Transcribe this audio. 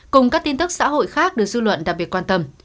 cùng các tin tức xã hội khác được dư luận đặc biệt quan tâm